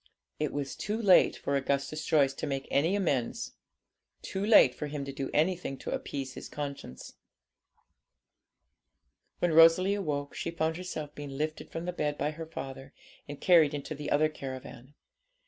It was too late for Augustus Joyce to make any amends; too late for him to do anything to appease his conscience. When Rosalie awoke, she found herself being lifted from the bed by her father, and carried into the other caravan.